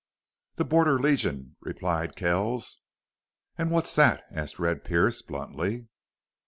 "The Border Legion," replied Kells. "An' what's that?" asked Red Pearce, bluntly.